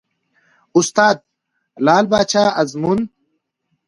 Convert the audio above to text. استاد : لعل پاچا ازمون